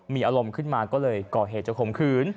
มีอารมณ์ขึ้นมาก็เลยก่อเหตุจะข่มขืน